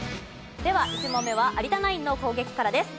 では１問目は有田ナインの攻撃からです。